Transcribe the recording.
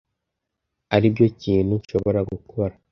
aribyo kintu nshobora gukora.